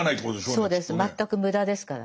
そうです全く無駄ですからね。